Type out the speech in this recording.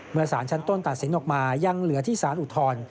สารชั้นต้นตัดสินออกมายังเหลือที่สารอุทธรณ์